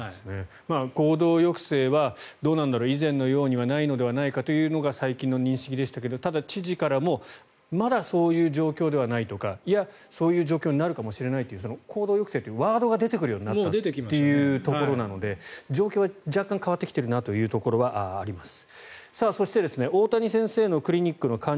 行動抑制はどうなんだろう以前のようにはないのではないかという最近の認識でしたがただ、知事からもまだそういう状況ではないとかいや、そういう状況になるかもしれないという行動抑制というワードが出てくるようになったというところなので状況は若干変わってきているなというところはあります。